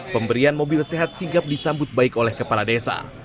pemberian mobil sehat sigap disambut baik oleh kepala desa